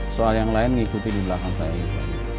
soal yang lain ngikuti di belakang saya